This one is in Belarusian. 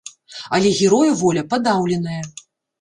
Але герояў воля падаўленая.